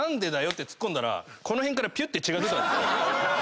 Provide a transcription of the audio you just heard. ⁉ってツッコんだらこの辺からぴゅって血が出たんですよ。